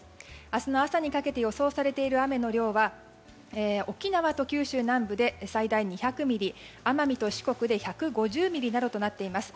明日の朝にかけて予想されている雨の量は沖縄と九州南部で最大２００ミリ奄美と四国で１５０ミリなどとなっています。